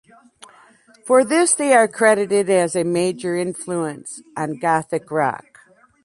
For this they are credited as a major influence on gothic rock.